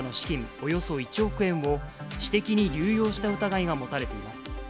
およそ１億円を、私的に流用した疑いが持たれています。